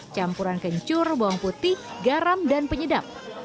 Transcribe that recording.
campuran kencur bawang putih garam dan penyedap